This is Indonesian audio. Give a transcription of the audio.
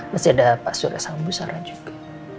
masih ada pak surasambu sarah juga